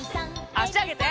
あしあげて！